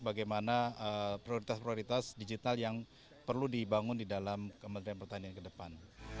bagaimana prioritas prioritas digital yang perlu dibangun di dalam kementerian pertanian ke depan